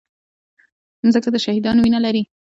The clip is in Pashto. مځکه د شهیدانو وینه لري.